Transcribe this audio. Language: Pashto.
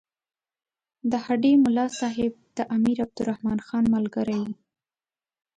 د هډې ملاصاحب د امیر عبدالرحمن خان ملګری وو.